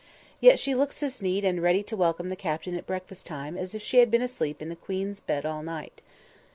Yet she looks as neat and as ready to welcome the Captain at breakfast time as if she had been asleep in the Queen's bed all night.